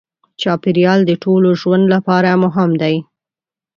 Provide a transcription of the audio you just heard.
چاپېریال د ټولو ژوند لپاره مهم دی.